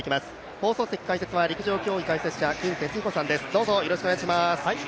放送席解説は陸上競技解説者、金哲彦さんです。